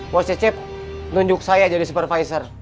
bos cecep nunjuk saya jadi supervisor